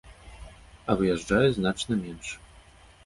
А выязджае значна менш.